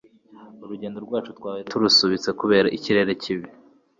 Urugendo rwacu twabaye turusubitse kubera ikirere kibi.